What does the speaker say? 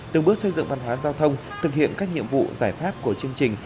từng bước xây dựng văn hóa giao thông thực hiện các nhiệm vụ giải pháp của chương trình